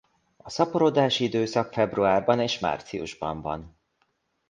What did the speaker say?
A szaporodási időszak februárban és márciusban van.